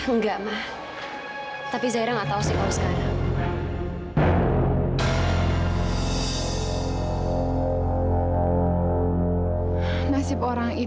enggak ma tapi zaira gak tahu sih kalau sekarang